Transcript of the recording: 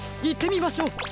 いってみましょう！